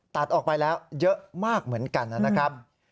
ตัดออกไปแล้วเยอะมากเหมือนกันนะครับ